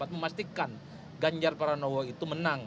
memastikan ganjar pranowo itu menang